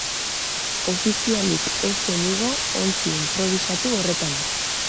Ofizialik ez zen igo ontzi inprobisatu horretan.